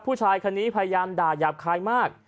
ผู้ชายคนนี้พยายามด่าหยาบคายมาก